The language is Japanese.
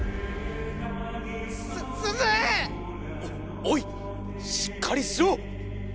おおいしっかりしろ！